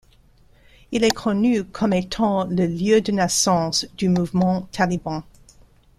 Il est connu comme étant le lieu de naissance du mouvement Taliban.